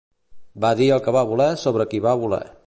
Va dir el que va voler, sobre qui va voler.